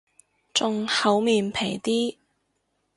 仲厚面皮啲